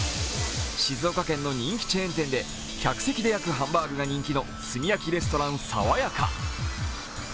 静岡県の人気チェーン店で客席で焼くハンバーグが人気の炭焼レストランさわやか。